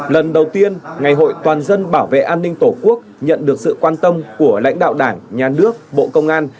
lần đầu tiên ngày hội toàn dân bảo vệ an ninh tổ quốc nhận được sự quan tâm của lãnh đạo đảng nhà nước bộ công an